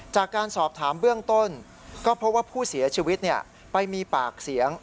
จากการสอบถามเบื้องต้นก็พบว่าผู้เสียชีวิตไปมีปากเสียง